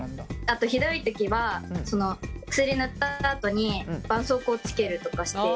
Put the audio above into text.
あとひどい時は薬塗ったあとにばんそうこうをつけるとかして。